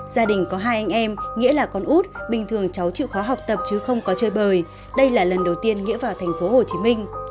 gia đình có hai anh em nghĩa là con út bình thường cháu chịu khó học tập chứ không có chơi bời đây là lần đầu tiên nghĩa vào tp hcm